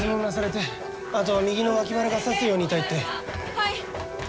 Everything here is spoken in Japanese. はい！